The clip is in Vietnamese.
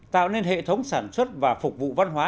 tạo nên hệ thống sản xuất và phục vụ văn hóa